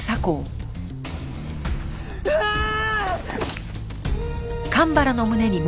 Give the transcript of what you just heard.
うわあーっ！